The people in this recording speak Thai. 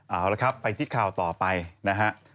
เอาละครับไปที่ข่าวต่อไปนะฮะ